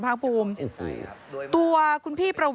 มันมีโอกาสเกิดอุบัติเหตุได้นะครับ